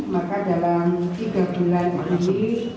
maka dalam tiga bulan mas ini